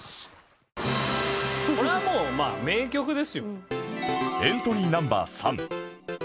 これはもうまあ名曲ですよ。